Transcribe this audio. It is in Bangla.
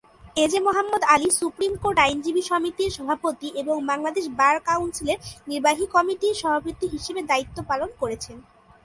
এ, J, Mohammad Ali supreme court আইনজীবী সমিতির সভাপতি এবং বাংলাদেশ বার কাউন্সিলের নির্বাহী কমিটির সভাপতি হিসাবে দায়িত্ব পালন করেছেন।